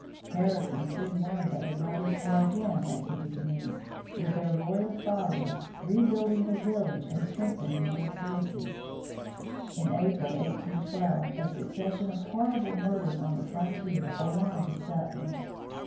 Harrison soon learned that the brothers were again at Tippecanoe, with their loyal followers, rebuilding the village and strengthening their forces. In April, 1812, a succession of horrible murders on the frontier alarmed the settlers.